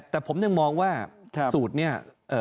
แต่ผมยังมองว่าสูตรนี้